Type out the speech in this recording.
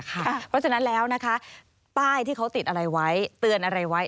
เพราะฉะนั้นแล้วนะคะป้ายที่เขาติดอะไรไว้เตือนอะไรไว้